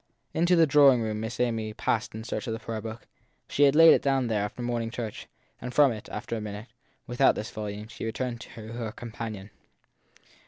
Into the drawing room Miss Amy passed in search of the prayer book she had laid down there after morning church, and from it, after a minute, without this volume, she returned to her com , panion.